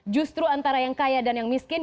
justru antara yang kaya dan yang miskin